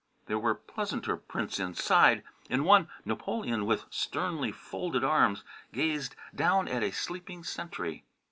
There were pleasanter prints inside. In one, Napoleon with sternly folded arms gazed down at a sleeping sentry.